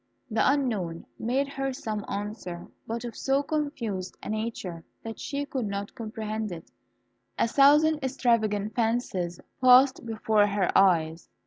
The unknown made her some answer, but of so confused a nature that she could not comprehend it. A thousand extravagant fancies passed before her eyes.